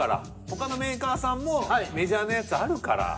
他のメーカーさんもメジャーなやつあるから。